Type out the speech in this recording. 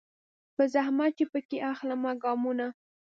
په زحمت چي پکښي اخلمه ګامونه